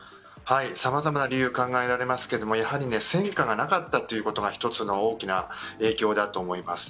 様々な理由、考えられますがやはり戦果がなかったということが一つの大きな影響だと思います。